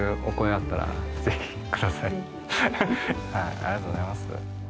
ありがとうございます。